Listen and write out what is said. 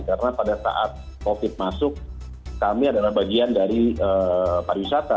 karena pada saat covid masuk kami adalah bagian dari pariwisata